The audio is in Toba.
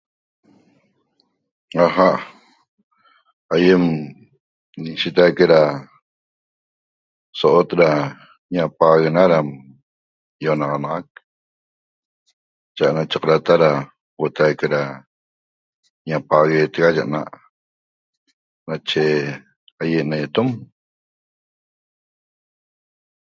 Aja' aiem ñishetaique ra so'ot ra ñapaxaguena ram io'onaxanaxac cha na chaqrata ra huotaique ra ñapaxaguetega ye na'aq nache aiem neguetom